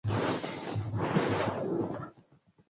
Kwa mfano, "Kanisa ni sakramenti ya umoja".